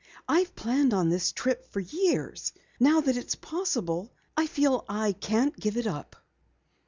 I've planned on this trip for years. Now that it is possible, I feel I can't give it up."